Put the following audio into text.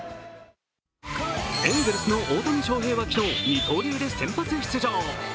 エンゼルスの大谷翔平は今日、二刀流で先発出場。